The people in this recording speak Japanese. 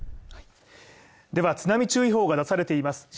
では津波注意報が出されています